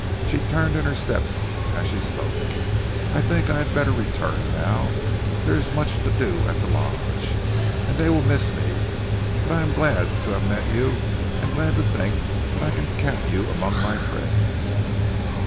She turned in her steps as she spoke. "I think I had better return now. There is much to do at the Lodge, and they will miss me. But I am glad to have met you, and glad to think that I can count you among my friends."